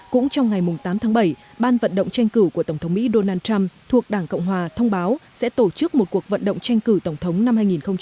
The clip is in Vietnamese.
cũng trong ngày tám tháng bảy ban vận động tranh cử của tổng thống mỹ donald trump thuộc đảng cộng hòa thông báo sẽ tổ chức một cuộc vận động tranh cử tổng thống năm hai nghìn hai mươi